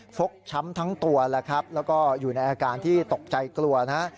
ฟกช้ำทั้งตัวแล้วครับแล้วก็อยู่ในอาการที่ตกใจกลัวนะ